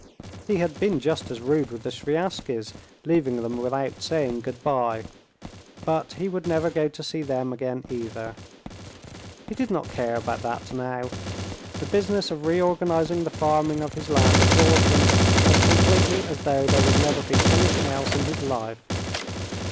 He had been just as rude with the Sviazhskys, leaving them without saying good bye. But he would never go to see them again either. He did not care about that now. The business of reorganizing the farming of his land absorbed him as completely as though there would never be anything else in his life.